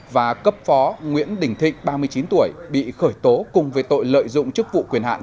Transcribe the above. và cấp phó nguyễn đình thịnh ba mươi chín tuổi bị khởi tố cùng với tội lợi dụng chức vụ quyền hạn